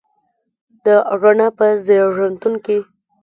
د رڼا په زیږنتون کې